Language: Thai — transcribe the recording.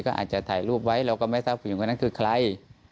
ก็อาจจะถ่ายรูปไว้เราก็ไม่ทราบผู้หญิงคนนั้นคือใคร